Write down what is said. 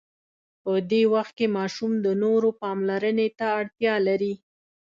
په دې وخت کې ماشوم د نورو پاملرنې ته اړتیا لري.